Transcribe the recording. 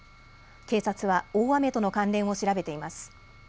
警察は大雨との関連を調べています。